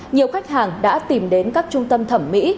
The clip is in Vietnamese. nhiều khách hàng đã tìm đến các trung tâm thẩm mỹ